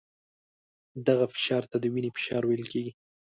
دغه فشار ته د وینې فشار ویل کېږي.